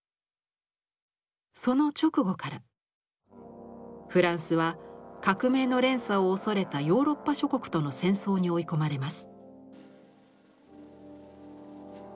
その直後からフランスは革命の連鎖を恐れたヨーロッパ諸国との戦争に追い込まれます。